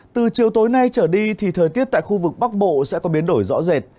từ chiều tối nay trở đi thì thời tiết tại khu vực bắc bộ sẽ có biến đổi rõ rệt